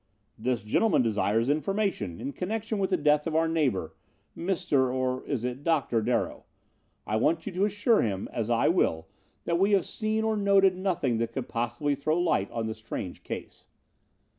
"This gentleman desires information in connection with the death of our neighbor Mr., or is it Dr., Darrow? I want you to assure him, as I will, that we have seen or noted nothing that could possibly throw light on the strange case."